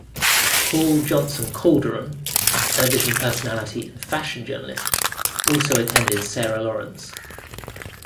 Paul Johnson Calderon, television personality and fashion journalist also attended Sarah Lawrence.